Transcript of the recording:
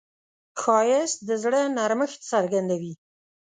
ښایست د زړه نرمښت څرګندوي